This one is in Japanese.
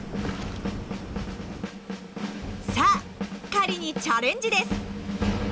さあ狩りにチャレンジです。